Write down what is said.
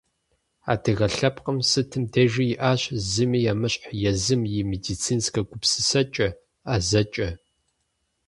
Адыгэ лъэпкъым сытым дежи иӏащ зыми емыщхь езым и медицинскэ гупсысэкӏэ, ӏэзэкӏэ.